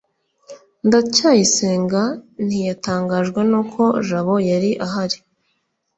ndacyayisenga ntiyatangajwe nuko jabo yari ahari